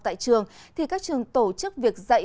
tại trường thì các trường tổ chức việc dạy